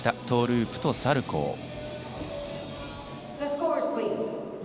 トーループとサルコー。